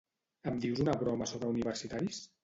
Em dius una broma sobre universitaris?